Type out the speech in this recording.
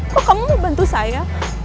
kok kamu mau bantu saya